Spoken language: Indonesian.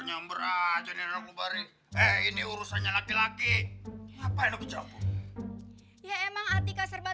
nyambaran jadinya aku bari eh ini urusannya laki laki apa yang kejam ya emang artikel serba